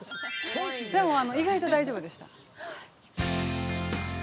でも、意外と大丈夫でした。